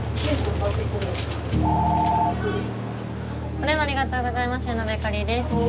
☎お電話ありがとうございます夜のベーカリーです。